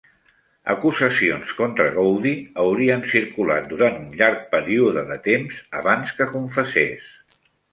Acusacions contra Gowdie haurien circulat durant un llarg període de temps abans que confessés.